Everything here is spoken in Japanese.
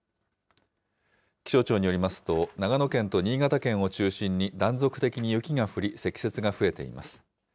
気象庁によりますと、長野県と新潟県を中心に、断続的に雪が降り、積雪が増えています。